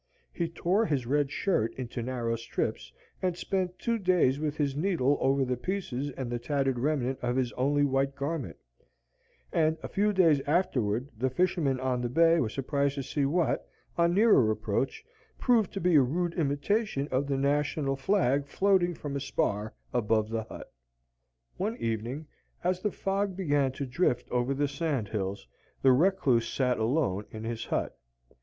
He tore his red shirt into narrow strips, and spent two days with his needle over the pieces and the tattered remnant of his only white garment; and a few days afterward the fishermen on the bay were surprised to see what, on nearer approach, proved to be a rude imitation of the national flag floating from a spar above the hut. One evening, as the fog began to drift over the sand hills, the recluse sat alone in his hut.